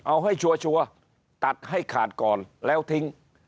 เอาให้ชัวร์ตัดให้ขาดก่อนแล้วทิ้ง